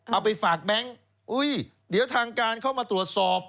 เอาไปฝากแบงค์อุ้ยเดี๋ยวทางการเข้ามาตรวจสอบ